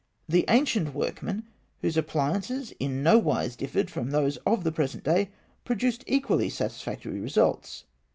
The ancient workmen, whose appliances in no wise differed from those of the present day, produced equally satisfactory results.